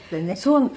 そう。